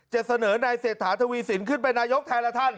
จะเสนอนายเศรษฐาทวีสินขึ้นเป็นนายกแทนละท่าน